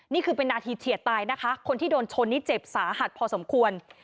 นี่คือเป็นนาทีเฉียดตายนะคะคนที่โดนชนนี่เจ็บสาหัสพอสมควร